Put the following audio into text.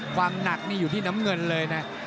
ความหนักนี่อยู่ที่น้ำเงินเลยนะ